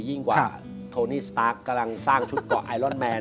ยิ่งกว่าโทนี่สตาร์ฟกำลังสร้างชุดเกาะไอรอนแมน